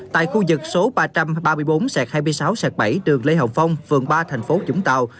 tại khu vực ba trăm ba mươi bốn hai mươi sáu bảy đường lê hồng phong vườn ba thành phố dũng tàu